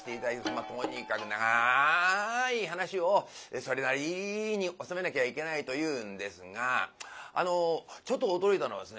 まっとにかくながい噺をそれなりに収めなきゃいけないというんですがあのちょっと驚いたのはですね